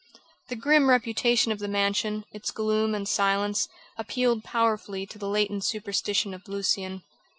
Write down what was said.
The grim reputation of the mansion, its gloom and silence, appealed powerfully to the latent superstition of Lucian.